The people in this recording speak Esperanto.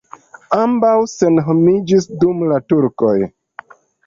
Ambaŭ senhomiĝis dum la turkoj.